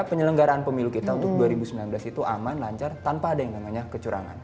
penyelenggaraan pemilu kita untuk dua ribu sembilan belas itu aman lancar tanpa ada yang namanya kecurangan